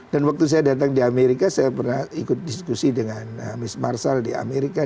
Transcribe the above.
dan waktu saya datang di amerika saya pernah ikut diskusi dengan miss marshall di amerika